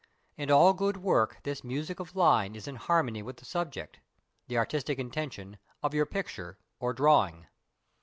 In all good work this music of line is in harmony with the subject (the artistic intention) of your picture or drawing.